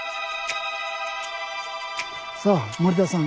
さあ森田さん。